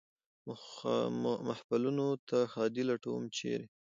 محفلونو ته ښادي لټوم ، چېرې ؟